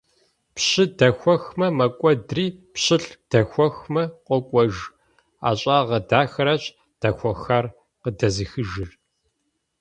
Пщы дэхуэхмэ, мэкӀуэдри, пщылӀ дэхуэхмэ, къокӀуэж: ӀэщӀагъэ дахэращ дэхуэхар къыдэзыхыжыр!